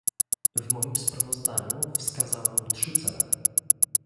W moim sprawozdaniu wskazałam trzy cele